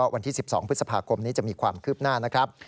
วันที่๑๒พฤษภาคมนี้จะมีความคืบหน้านะครับ